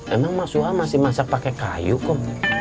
emang mas suha masih masak pakai kayu kok